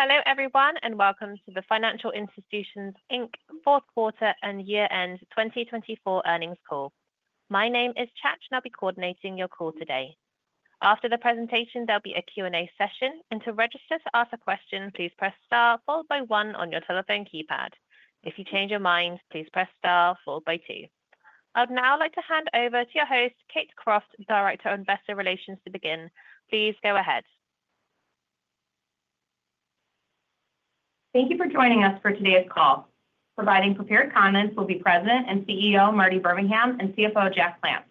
Hello everyone, and welcome to the Financial Institutions, Inc. Fourth Quarter and Year-End 2024 earnings call. My name is Chad, and I'll be coordinating your call today. After the presentation, there'll be a Q&A session, and to register to ask a question, please press star followed by one on your telephone keypad. If you change your mind, please press star followed by two. I'd now like to hand over to your host, Kate Croft, Director of Investor Relations, to begin. Please go ahead. Thank you for joining us for today's call. Providing prepared comments will be President and CEO Marty Birmingham and CFO Jack Plants.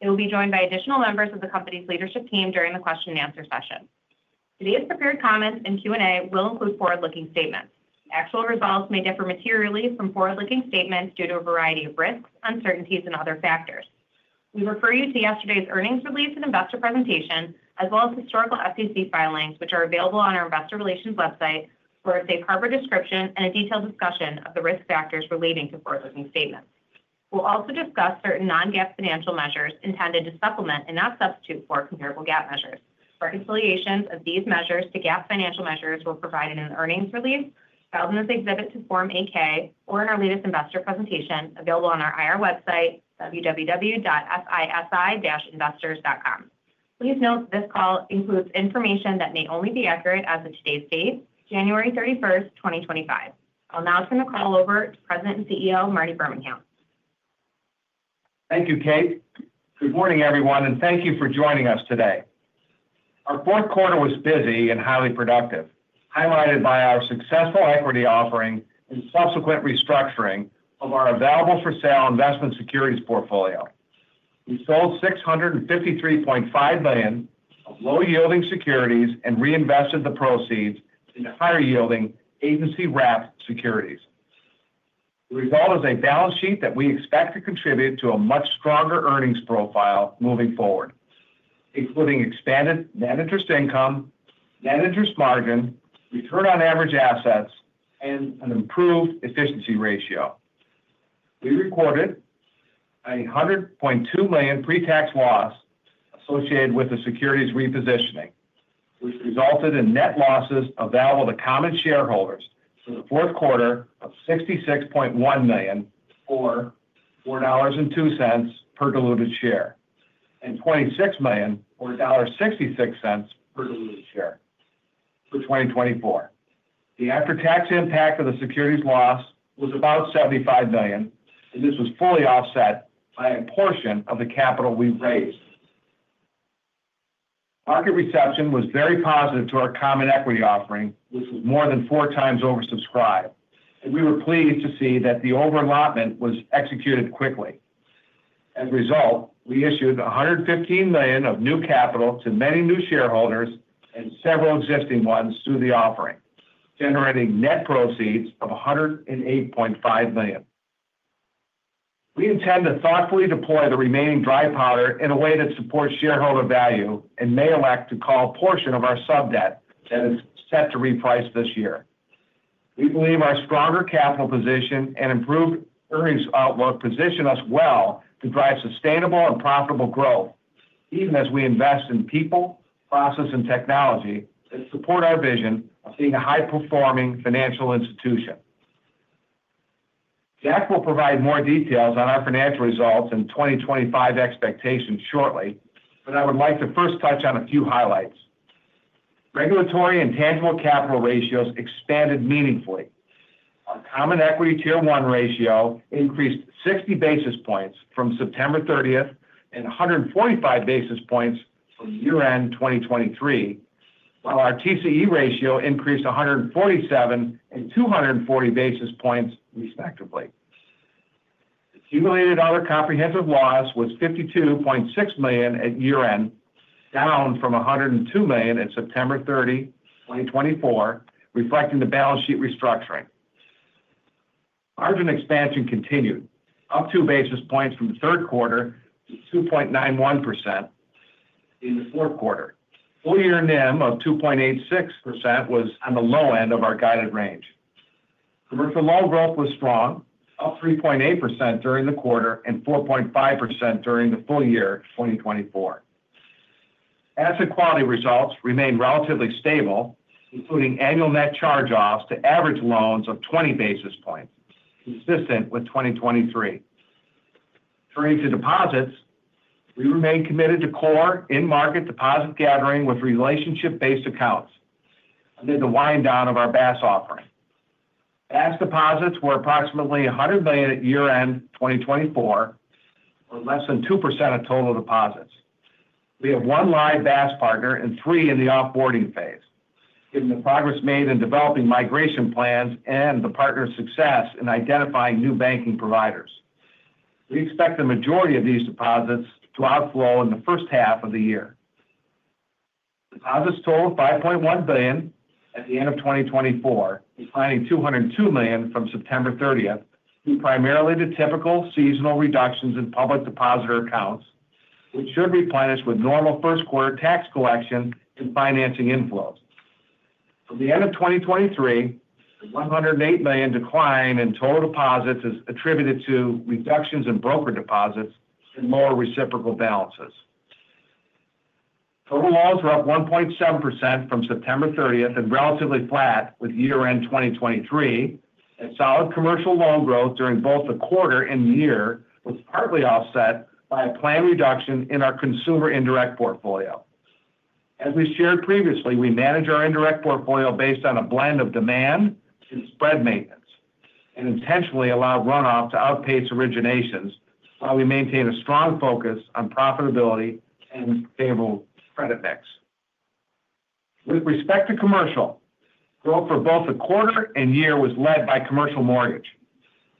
They will be joined by additional members of the company's leadership team during the question-and-answer session. Today's prepared comments and Q&A will include forward-looking statements. Actual results may differ materially from forward-looking statements due to a variety of risks, uncertainties, and other factors. We refer you to yesterday's earnings release and investor presentation, as well as historical SEC filings, which are available on our Investor Relations website for a safe harbor description and a detailed discussion of the risk factors relating to forward-looking statements. We'll also discuss certain non-GAAP financial measures intended to supplement and not substitute for comparable GAAP measures. Reconciliations of these measures to GAAP financial measures were provided in the earnings release, filed in this exhibit to Form 8-K, or in our latest investor presentation available on our IR website, www.fisi-investors.com. Please note this call includes information that may only be accurate as of today's date, January 31st, 2025. I'll now turn the call over to President and CEO Marty Birmingham. Thank you, Kate. Good morning, everyone, and thank you for joining us today. Our fourth quarter was busy and highly productive, highlighted by our successful equity offering and subsequent restructuring of our available-for-sale investment securities portfolio. We sold $653.5 million of low-yielding securities and reinvested the proceeds into higher-yielding agency-wrapped securities. The result is a balance sheet that we expect to contribute to a much stronger earnings profile moving forward, including expanded net interest income, net interest margin, return on average assets, and an improved efficiency ratio. We recorded a $100.2 million pre-tax loss associated with the securities repositioning, which resulted in net losses available to common shareholders for the fourth quarter of $66.1 million or $4.02 per diluted share and $26 million or $1.66 per diluted share for 2024. The after-tax impact of the securities loss was about $75 million, and this was fully offset by a portion of the capital we raised. Market reception was very positive to our common equity offering, which was more than four times oversubscribed, and we were pleased to see that the overallotment was executed quickly. As a result, we issued $115 million of new capital to many new shareholders and several existing ones through the offering, generating net proceeds of $108.5 million. We intend to thoughtfully deploy the remaining dry powder in a way that supports shareholder value and may elect to call a portion of our sub-debt that is set to reprice this year. We believe our stronger capital position and improved earnings outlook position us well to drive sustainable and profitable growth, even as we invest in people, process, and technology that support our vision of being a high-performing financial institution. Jack will provide more details on our financial results and 2025 expectations shortly, but I would like to first touch on a few highlights. Regulatory and tangible capital ratios expanded meaningfully. Our Common Equity Tier 1 ratio increased 60 basis points from September 30th and 145 basis points from year-end 2023, while our TCE ratio increased 147 and 240 basis points, respectively. The Accumulated Other Comprehensive Loss was $52.6 million at year-end, down from $102 million at September 30, 2024, reflecting the balance sheet restructuring. Margin expansion continued, up two basis points from the third quarter to 2.91% in the fourth quarter. Full-year NIM of 2.86% was on the low end of our guided range. Commercial loan growth was strong, up 3.8% during the quarter and 4.5% during the full year 2024. Asset quality results remained relatively stable, including annual net charge-offs to average loans of 20 basis points, consistent with 2023. Turning to deposits, we remained committed to core in-market deposit gathering with relationship-based accounts amid the wind-down of our BaaS offering. BaaS deposits were approximately $100 million at year-end 2024, or less than 2% of total deposits. We have one live BaaS partner and three in the offboarding phase, given the progress made in developing migration plans and the partner's success in identifying new banking providers. We expect the majority of these deposits to outflow in the first half of the year. Deposits total $5.1 billion at the end of 2024, declining $202 million from September 30th, due primarily to typical seasonal reductions in public depositor accounts, which should replenish with normal first-quarter tax collection and financing inflows. From the end of 2023, a $108 million decline in total deposits is attributed to reductions in broker deposits and lower reciprocal balances. Total loans were up 1.7% from September 30th and relatively flat with year-end 2023, and solid commercial loan growth during both the quarter and year was partly offset by a planned reduction in our consumer indirect portfolio. As we shared previously, we manage our indirect portfolio based on a blend of demand and spread maintenance and intentionally allow runoff to outpace originations, while we maintain a strong focus on profitability and favorable credit mix. With respect to commercial, growth for both the quarter and year was led by commercial mortgage.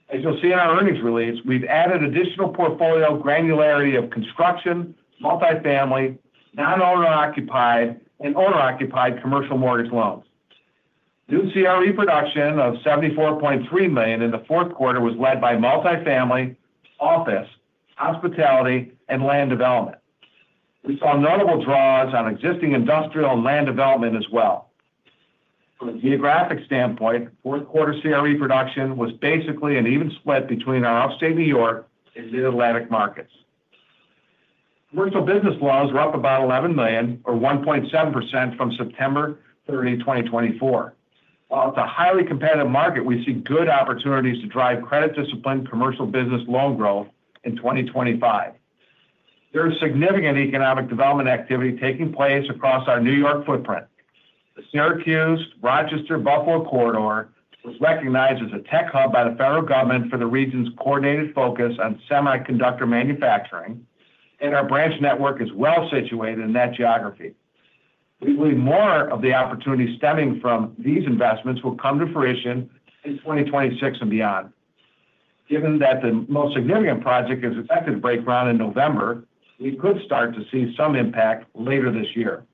As you'll see in our earnings release, we've added additional portfolio granularity of construction, multifamily, non-owner-occupied, and owner-occupied commercial mortgage loans. New CRE production of $74.3 million in the fourth quarter was led by multifamily, office, hospitality, and land development. We saw notable draws on existing industrial and land development as well. From a geographic standpoint, fourth-quarter CRE production was basically an even split between our Upstate New York and Mid-Atlantic markets. Commercial business loans were up about $11 million, or 1.7% from September 30, 2024. While it's a highly competitive market, we see good opportunities to drive credit-disciplined commercial business loan growth in 2025. There is significant economic development activity taking place across our New York footprint. The Syracuse-Rochester-Buffalo corridor was recognized as a tech hub by the federal government for the region's coordinated focus on semiconductor manufacturing, and our branch network is well situated in that geography. We believe more of the opportunities stemming from these investments will come to fruition in 2026 and beyond. Given that the most significant project is expected to break ground in November, we could start to see some impact later this year.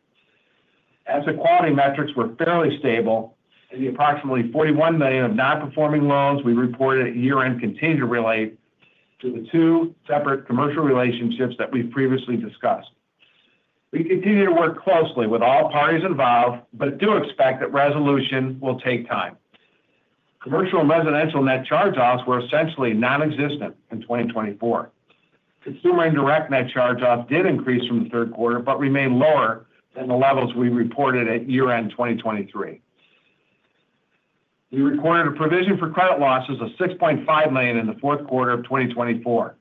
Asset quality metrics were fairly stable, and the approximately $41 million of non-performing loans we reported at year-end continue to relate to the two separate commercial relationships that we've previously discussed. We continue to work closely with all parties involved, but do expect that resolution will take time. Commercial and residential net charge-offs were essentially nonexistent in 2024. Consumer indirect net charge-offs did increase from the third quarter, but remained lower than the levels we reported at year-end 2023. We recorded a provision for credit losses of $6.5 million in the fourth quarter of 2024,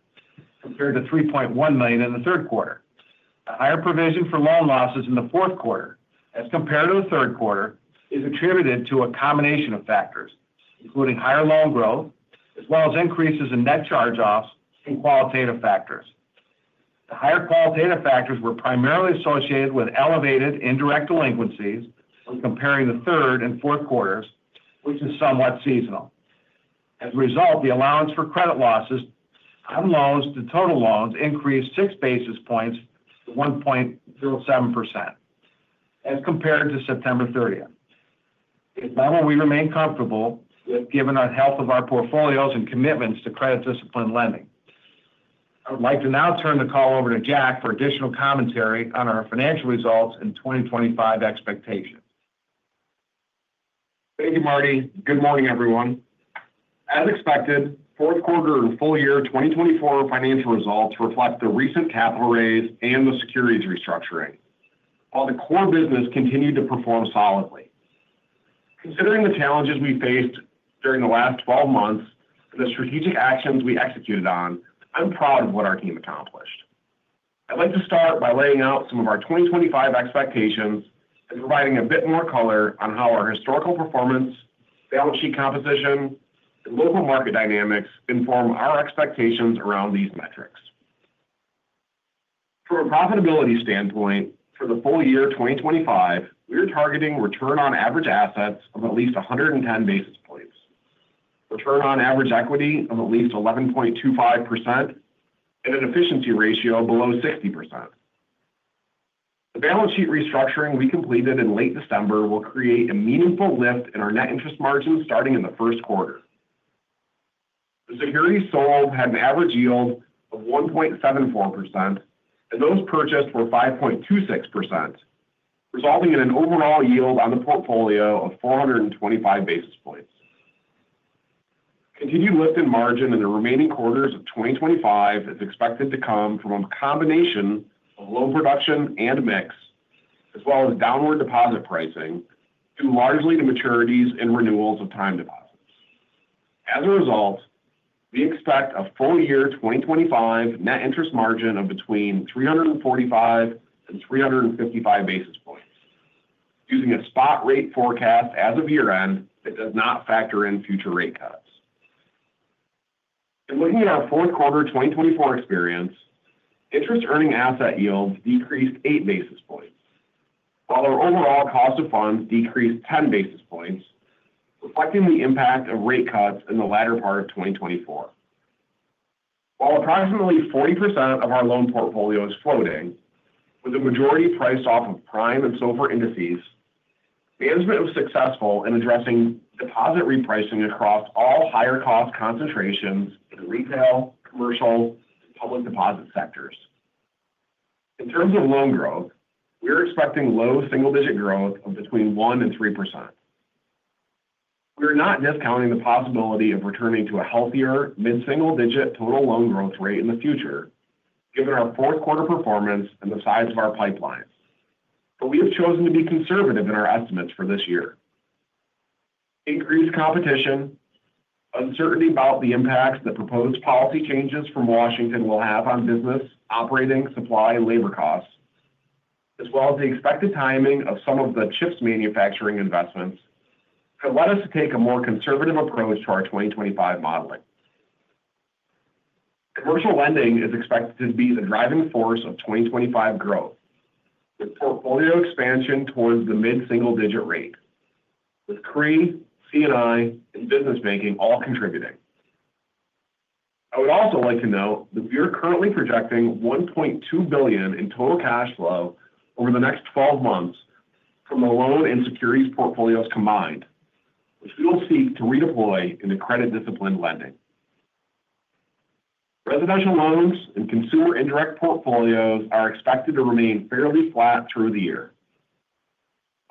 compared to $3.1 million in the third quarter. A higher provision for loan losses in the fourth quarter, as compared to the third quarter, is attributed to a combination of factors, including higher loan growth, as well as increases in net charge-offs and qualitative factors. The higher qualitative factors were primarily associated with elevated indirect delinquencies when comparing the third and fourth quarters, which is somewhat seasonal. As a result, the allowance for credit losses on loans to total loans increased 6 basis points to 1.07%, as compared to September 30th. It's a level that we remain comfortable with, given the health of our portfolios and commitments to credit-disciplined lending. I would like to now turn the call over to Jack for additional commentary on our financial results and 2025 expectations. Thank you, Marty. Good morning, everyone. As expected, fourth quarter and full year 2024 financial results reflect the recent capital raise and the securities restructuring, while the core business continued to perform solidly. Considering the challenges we faced during the last 12 months and the strategic actions we executed on, I'm proud of what our team accomplished. I'd like to start by laying out some of our 2025 expectations and providing a bit more color on how our historical performance, balance sheet composition, and local market dynamics inform our expectations around these metrics. From a profitability standpoint, for the full year 2025, we are targeting return on average assets of at least 110 basis points, return on average equity of at least 11.25%, and an efficiency ratio below 60%. The balance sheet restructuring we completed in late December will create a meaningful lift in our net interest margins starting in the first quarter. The securities sold had an average yield of 1.74%, and those purchased were 5.26%, resulting in an overall yield on the portfolio of 425 basis points. Continued lift in margin in the remaining quarters of 2025 is expected to come from a combination of low production and mix, as well as downward deposit pricing, due largely to maturities and renewals of time deposits. As a result, we expect a full year 2025 net interest margin of between 345 and 355 basis points, using a spot rate forecast as of year-end that does not factor in future rate cuts. In looking at our fourth quarter 2024 experience, interest-earning asset yields decreased 8 basis points, while our overall cost of funds decreased 10 basis points, reflecting the impact of rate cuts in the latter part of 2024. While approximately 40% of our loan portfolio is floating, with the majority priced off of prime and SOFR indices, management was successful in addressing deposit repricing across all higher-cost concentrations in retail, commercial, and public deposit sectors. In terms of loan growth, we are expecting low single-digit growth of between 1 and 3%. We are not discounting the possibility of returning to a healthier mid-single-digit total loan growth rate in the future, given our fourth quarter performance and the size of our pipeline, but we have chosen to be conservative in our estimates for this year. Increased competition, uncertainty about the impacts that proposed policy changes from Washington will have on business, operating, supply, and labor costs, as well as the expected timing of some of the chips manufacturing investments, have led us to take a more conservative approach to our 2025 modeling. Commercial lending is expected to be the driving force of 2025 growth, with portfolio expansion towards the mid-single-digit rate, with CRE, C&I, and business banking all contributing. I would also like to note that we are currently projecting $1.2 billion in total cash flow over the next 12 months from the loan and securities portfolios combined, which we will seek to redeploy into credit-disciplined lending. Residential loans and consumer indirect portfolios are expected to remain fairly flat through the year.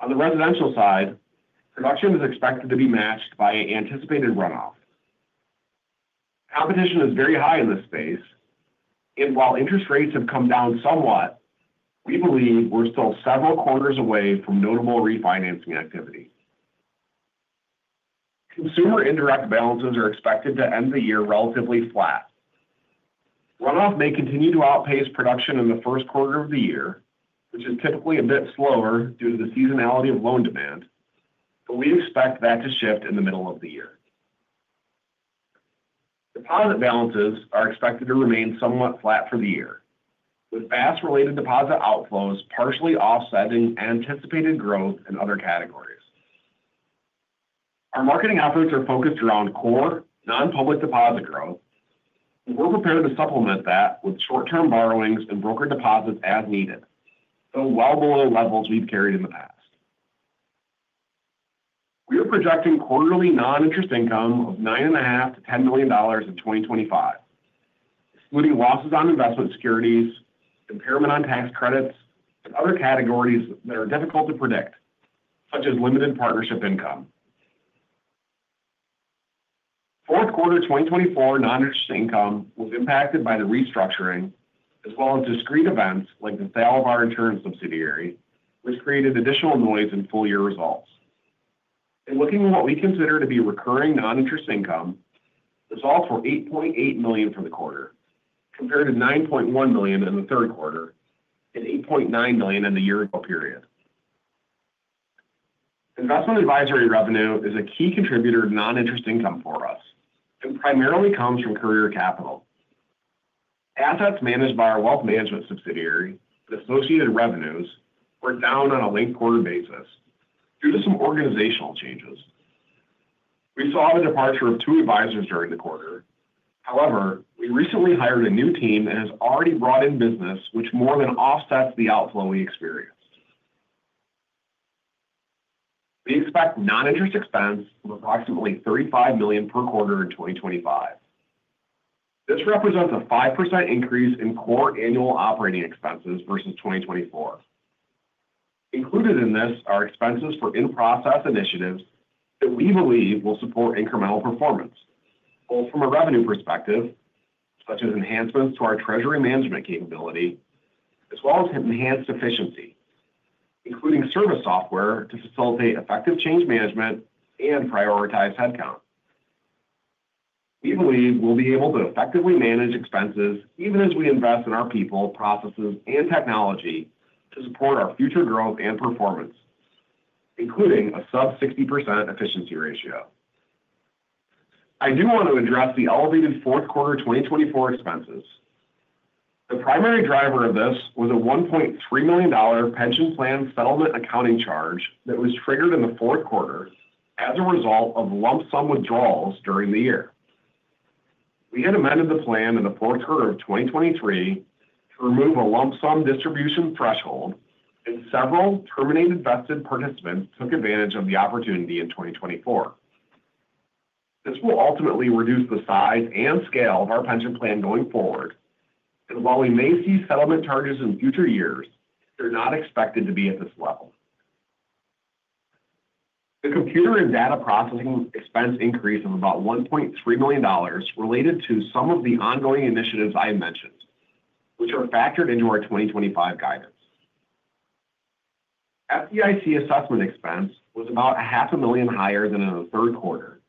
On the residential side, production is expected to be matched by an anticipated runoff. Competition is very high in this space, and while interest rates have come down somewhat, we believe we're still several quarters away from notable refinancing activity. Consumer indirect balances are expected to end the year relatively flat. Runoff may continue to outpace production in the first quarter of the year, which is typically a bit slower due to the seasonality of loan demand, but we expect that to shift in the middle of the year. Deposit balances are expected to remain somewhat flat for the year, with BAS-related deposit outflows partially offsetting anticipated growth in other categories. Our marketing efforts are focused around core, non-public deposit growth, and we're prepared to supplement that with short-term borrowings and broker deposits as needed, though well below levels we've carried in the past. We are projecting quarterly non-interest income of $9.5-$10 million in 2025, excluding losses on investment securities, impairment on tax credits, and other categories that are difficult to predict, such as limited partnership income. Fourth quarter 2024 non-interest income was impacted by the restructuring, as well as discrete events like the sale of our insurance subsidiary, which created additional noise in full year results. In looking at what we consider to be recurring non-interest income, results were $8.8 million for the quarter, compared to $9.1 million in the third quarter and $8.9 million in the year-ago period. Investment advisory revenue is a key contributor to non-interest income for us and primarily comes from Courier Capital. Assets managed by our wealth management subsidiary and associated revenues were down on a late quarter basis due to some organizational changes. We saw the departure of two advisors during the quarter. However, we recently hired a new team and have already brought in business, which more than offsets the outflow we experienced. We expect non-interest expense of approximately $35 million per quarter in 2025. This represents a 5% increase in core annual operating expenses versus 2024. Included in this are expenses for in-process initiatives that we believe will support incremental performance, both from a revenue perspective, such as enhancements to our treasury management capability, as well as enhanced efficiency, including service software to facilitate effective change management and prioritize headcount. We believe we'll be able to effectively manage expenses even as we invest in our people, processes, and technology to support our future growth and performance, including a sub-60% efficiency ratio. I do want to address the elevated fourth quarter 2024 expenses. The primary driver of this was a $1.3 million pension plan settlement accounting charge that was triggered in the fourth quarter as a result of lump sum withdrawals during the year. We had amended the plan in the fourth quarter of 2023 to remove a lump sum distribution threshold, and several terminated vested participants took advantage of the opportunity in 2024. This will ultimately reduce the size and scale of our pension plan going forward, and while we may see settlement charges in future years, they're not expected to be at this level. The computer and data processing expense increase of about $1.3 million related to some of the ongoing initiatives I mentioned, which are factored into our 2025 guidance. FDIC assessment expense was about $500,000 higher than in the third quarter,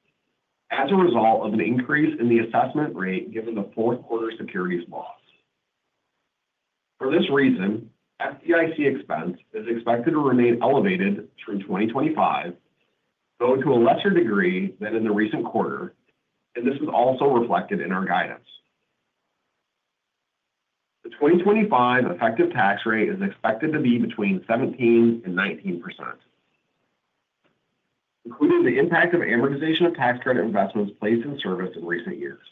as a result of an increase in the assessment rate given the fourth quarter securities loss. For this reason, FDIC expense is expected to remain elevated through 2025, though to a lesser degree than in the recent quarter, and this is also reflected in our guidance. The 2025 effective tax rate is expected to be between 17% and 19%, including the impact of amortization of tax credit investments placed in service in recent years.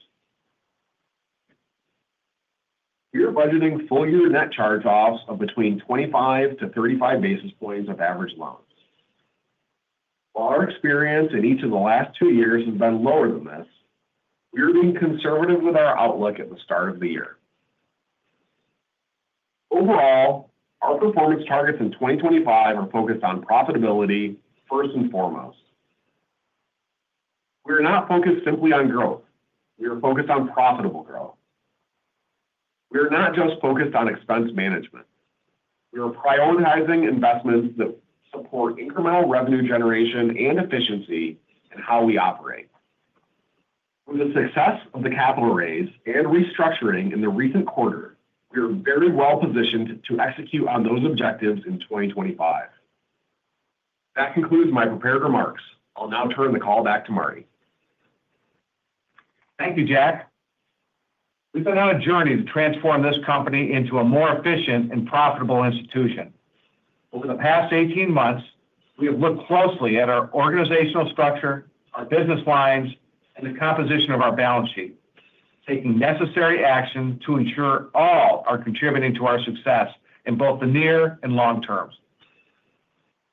We are budgeting full year net charge-offs of between 25 to 35 basis points of average loans. While our experience in each of the last two years has been lower than this, we are being conservative with our outlook at the start of the year. Overall, our performance targets in 2025 are focused on profitability first and foremost. We are not focused simply on growth. We are focused on profitable growth. We are not just focused on expense management. We are prioritizing investments that support incremental revenue generation and efficiency in how we operate. With the success of the capital raise and restructuring in the recent quarter, we are very well positioned to execute on those objectives in 2025. That concludes my prepared remarks. I'll now turn the call back to Marty. Thank you, Jack. We've been on a journey to transform this company into a more efficient and profitable institution. Over the past 18 months, we have looked closely at our organizational structure, our business lines, and the composition of our balance sheet, taking necessary action to ensure all are contributing to our success in both the near and long term.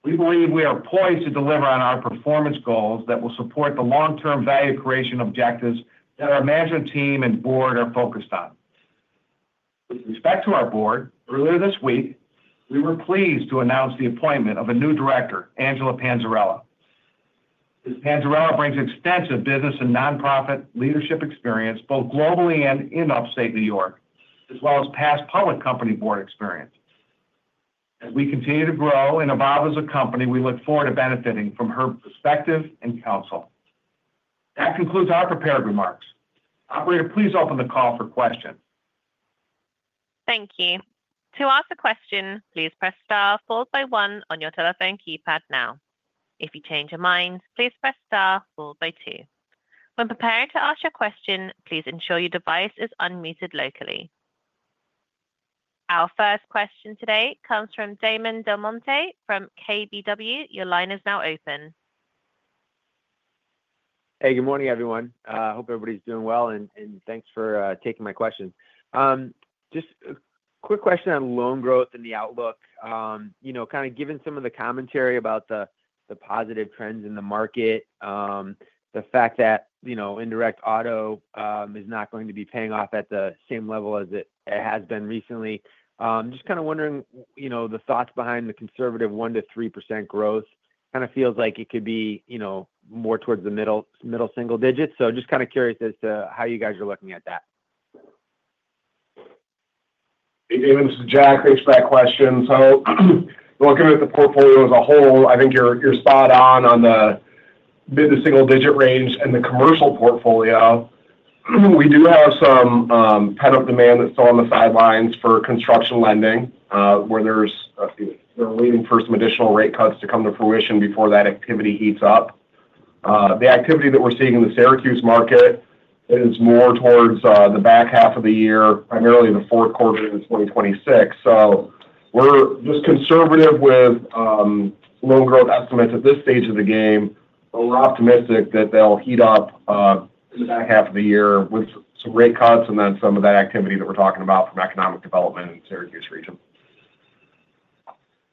We believe we are poised to deliver on our performance goals that will support the long-term value creation objectives that our management team and board are focused on. With respect to our board, earlier this week, we were pleased to announce the appointment of a new director, Angela Panzarella. Ms. Panzarella brings extensive business and nonprofit leadership experience both globally and in Upstate New York, as well as past public company board experience. As we continue to grow and evolve as a company, we look forward to benefiting from her perspective and counsel. That concludes our prepared remarks. Operator, please open the call for questions. Thank you. To ask a question, please press star followed by one on your telephone keypad now. If you change your mind, please press star followed by two. When preparing to ask your question, please ensure your device is unmuted locally. Our first question today comes from Damon DelMonte from KBW. Your line is now open. Hey, good morning, everyone. I hope everybody's doing well, and thanks for taking my questions. Just a quick question on loan growth and the outlook. Kind of given some of the commentary about the positive trends in the market, the fact that indirect auto is not going to be paying off at the same level as it has been recently, just kind of wondering the thoughts behind the conservative 1%-3% growth. Kind of feels like it could be more towards the middle single digits, so just kind of curious as to how you guys are looking at that. Hey, Damon. This is Jack. Thanks for that question. So looking at the portfolio as a whole, I think you're spot on on the mid to single digit range and the commercial portfolio. We do have some pent-up demand that's still on the sidelines for construction lending, where they're waiting for some additional rate cuts to come to fruition before that activity heats up. The activity that we're seeing in the Syracuse market is more towards the back half of the year, primarily the fourth quarter in 2026. So we're just conservative with loan growth estimates at this stage of the game, but we're optimistic that they'll heat up in the back half of the year with some rate cuts and then some of that activity that we're talking about from economic development in the Syracuse region.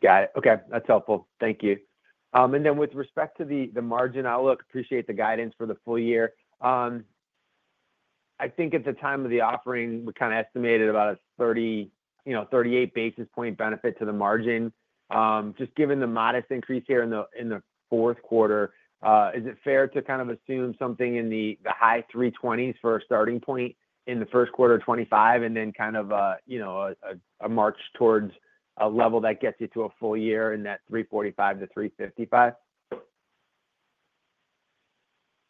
Got it. Okay. That's helpful. Thank you. And then with respect to the margin outlook, appreciate the guidance for the full year. I think at the time of the offering, we kind of estimated about a 38 basis point benefit to the margin. Just given the modest increase here in the fourth quarter, is it fair to kind of assume something in the high 320s for a starting point in the first quarter of 2025 and then kind of a march towards a level that gets you to a full year in that 345-355?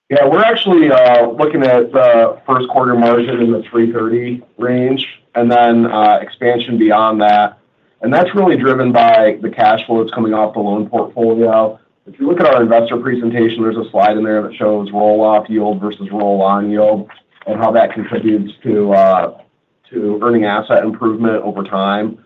Yeah. We're actually looking at the first quarter margin in the 330 range and then expansion beyond that. And that's really driven by the cash flow that's coming off the loan portfolio. If you look at our investor presentation, there's a slide in there that shows roll-off yield versus roll-on yield and how that contributes to earning asset improvement over time.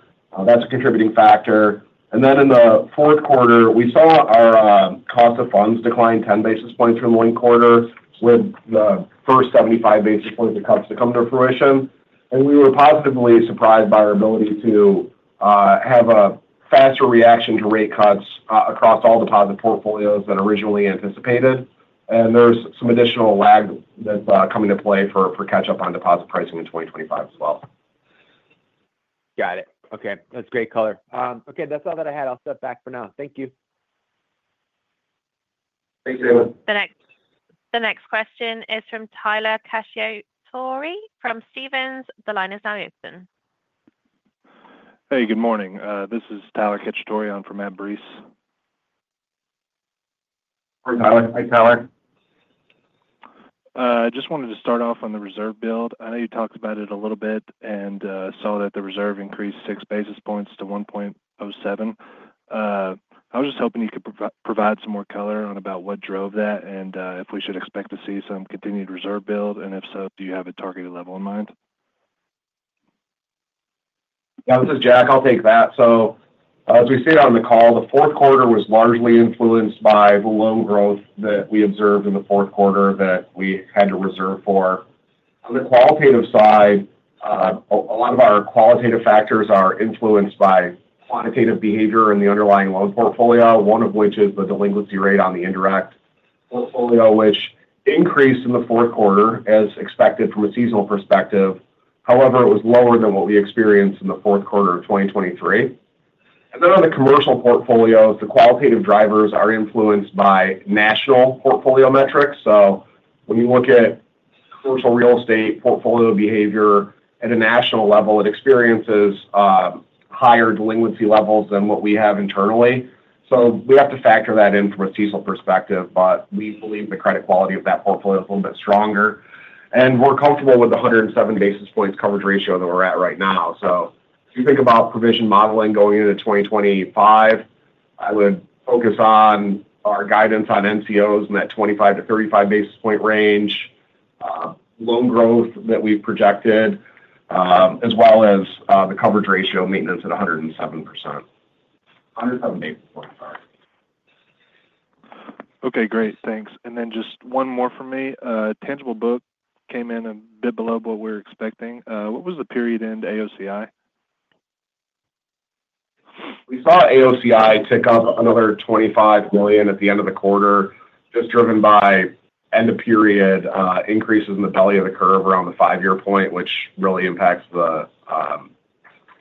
That's a contributing factor. And then in the fourth quarter, we saw our cost of funds decline 10 basis points from the one quarter with the first 75 basis points of cuts to come to fruition. And we were positively surprised by our ability to have a faster reaction to rate cuts across all deposit portfolios than originally anticipated. And there's some additional lag that's coming into play for catch-up on deposit pricing in 2025 as well. Got it. Okay. That's great color. Okay. That's all that I had. I'll step back for now. Thank you. The next question is from Tyler Cacciatori. From Stephens, the line is now open. Hey, good morning. This is Tyler Cacciatori. I'm from Stephens. Hey, Tyler. Hi, Tyler. I just wanted to start off on the reserve build. I know you talked about it a little bit and saw that the reserve increased six basis points to 1.07. I was just hoping you could provide some more color on about what drove that and if we should expect to see some continued reserve build, and if so, do you have a targeted level in mind? Yeah. This is Jack. I'll take that. So as we see it on the call, the fourth quarter was largely influenced by the loan growth that we observed in the fourth quarter that we had to reserve for. On the qualitative side, a lot of our qualitative factors are influenced by quantitative behavior in the underlying loan portfolio, one of which is the delinquency rate on the indirect portfolio, which increased in the fourth quarter, as expected from a seasonal perspective. However, it was lower than what we experienced in the fourth quarter of 2023. And then on the commercial portfolio, the qualitative drivers are influenced by national portfolio metrics. So when you look at commercial real estate portfolio behavior at a national level, it experiences higher delinquency levels than what we have internally. We have to factor that in from a seasonal perspective, but we believe the credit quality of that portfolio is a little bit stronger. We're comfortable with the 107 basis points coverage ratio that we're at right now. If you think about provision modeling going into 2025, I would focus on our guidance on NCOs in that 25-35 basis point range, loan growth that we've projected, as well as the coverage ratio maintenance at 107%. 107 basis points, sorry. Okay. Great. Thanks, and then just one more from me. Tangible book came in a bit below what we were expecting. What was the period end AOCI? We saw AOCI tick up another $25 million at the end of the quarter, just driven by end-of-period increases in the belly of the curve around the five-year point, which really impacts the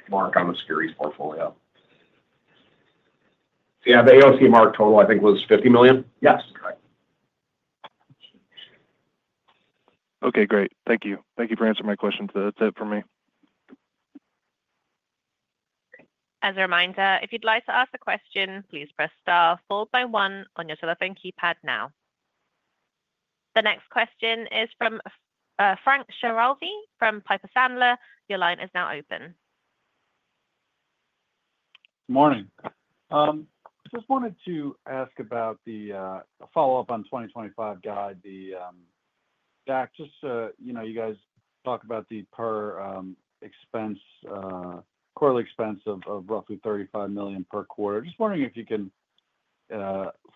mark on the securities portfolio. Yeah. The AOCI mark total, I think, was $50 million? Yes. Correct. Okay. Great. Thank you. Thank you for answering my questions. That's it for me. As a reminder, if you'd like to ask a question, please press star followed by one on your telephone keypad now. The next question is from Frank Schiraldi from Piper Sandler. Your line is now open. Good morning. Just wanted to ask about the follow-up on 2025 guide. Jack, just you guys talked about the OpEx, quarterly expense of roughly $35 million per quarter. Just wondering if you can,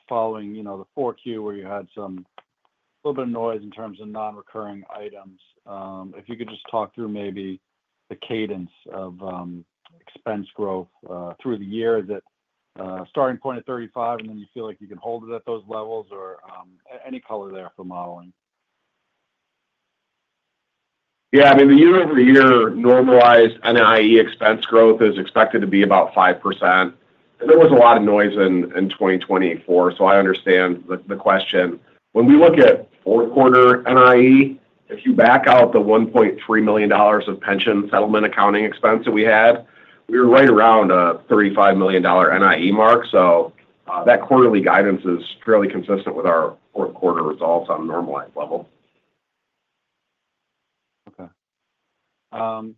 following the 4Q where you had a little bit of noise in terms of non-recurring items, if you could just talk through maybe the cadence of expense growth through the year. Is it starting point at $35 million, and then you feel like you can hold it at those levels, or any color there for modeling? Yeah. I mean, the year-over-year normalized NIE expense growth is expected to be about 5%. There was a lot of noise in 2024, so I understand the question. When we look at fourth quarter NIE, if you back out the $1.3 million of pension settlement accounting expense that we had, we were right around a $35 million NIE mark. So that quarterly guidance is fairly consistent with our fourth quarter results on a normalized level. Okay.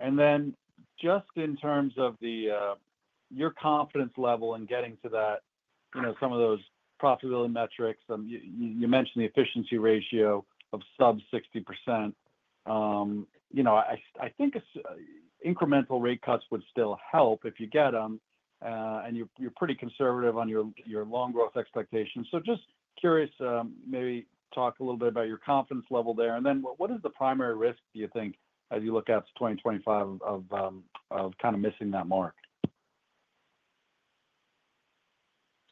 And then just in terms of your confidence level in getting to some of those profitability metrics, you mentioned the efficiency ratio of sub 60%. I think incremental rate cuts would still help if you get them, and you're pretty conservative on your loan growth expectations. So just curious, maybe talk a little bit about your confidence level there. And then what is the primary risk, do you think, as you look at 2025 of kind of missing that mark?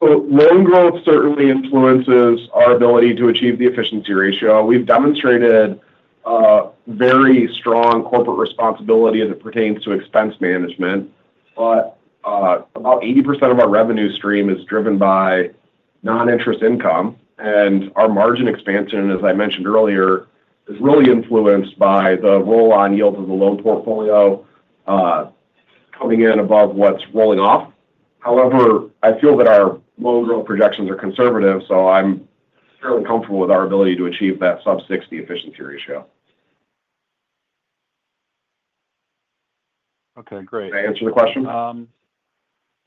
Loan growth certainly influences our ability to achieve the Efficiency Ratio. We've demonstrated very strong corporate responsibility as it pertains to expense management, but about 80% of our revenue stream is driven by non-interest income. Our margin expansion, as I mentioned earlier, is really influenced by the roll-on yield of the loan portfolio coming in above what's rolling off. However, I feel that our loan growth projections are conservative, so I'm fairly comfortable with our ability to achieve that sub-60 Efficiency Ratio. Okay. Great. Did I answer the question?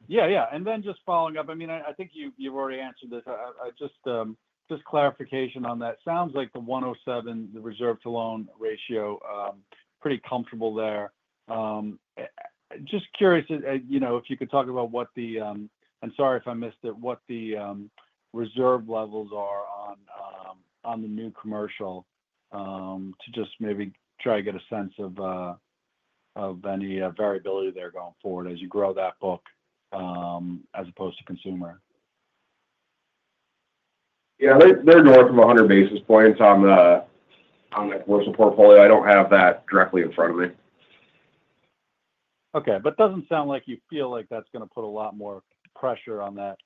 Yeah. Yeah. And then just following up, I mean, I think you've already answered this. Just clarification on that. Sounds like the 107, the reserve-to-loan ratio, pretty comfortable there. Just curious if you could talk about what the, I'm sorry if I missed it, what the reserve levels are on the new commercial to just maybe try to get a sense of any variability there going forward as you grow that book as opposed to consumer. Yeah. They're north of 100 basis points on the commercial portfolio. I don't have that directly in front of me. Okay. But it doesn't sound like you feel like that's going to put a lot more pressure on that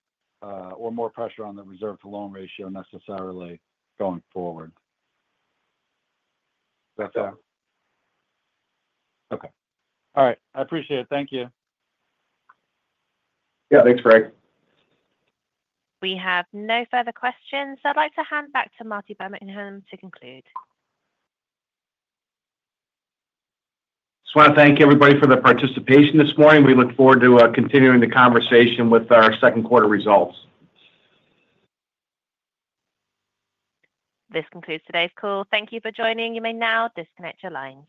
or more pressure on the reserve-to-loan ratio necessarily going forward. That's all. Okay. All right. I appreciate it. Thank you. Yeah. Thanks, Greg. We have no further questions. I'd like to hand back to Marty Birmingham to conclude. Just want to thank everybody for their participation this morning. We look forward to continuing the conversation with our second quarter results. This concludes today's call. Thank you for joining. You may now disconnect your lines.